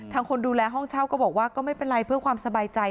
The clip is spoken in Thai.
คนดูแลห้องเช่าก็บอกว่าก็ไม่เป็นไรเพื่อความสบายใจ